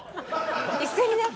一斉にね。